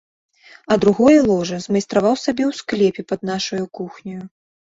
А другое ложа змайстраваў сабе ў склепе пад нашаю кухняю.